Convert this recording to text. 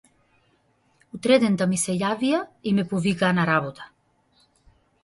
Утредента ми се јавија и ме повикаа на работа.